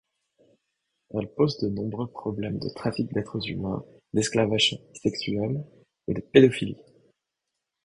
Elle pose de nombreux problèmes de trafics d'êtres humains, d'esclavages sexuels et de pédophilies.